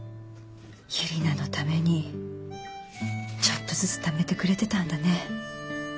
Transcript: ユリナのためにちょっとずつためてくれてたんだね。